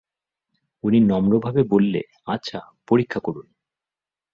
ঊর্মি নম্রভাবে বললে, আচ্ছা, পরীক্ষা করুন।